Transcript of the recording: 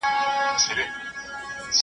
زه به سبا درسونه واورم؟!